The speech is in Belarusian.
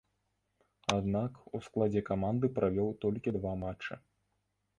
Аднак, у складзе каманды правёў толькі два матчы.